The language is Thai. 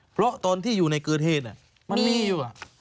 เพราะตอนที่อยู่ในเกิดเหตุมันมีอยู่